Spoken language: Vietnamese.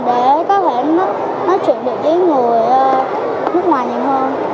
để có thể nói chuyện được những người nước ngoài nhiều hơn